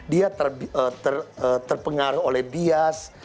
dia terpengaruh oleh bias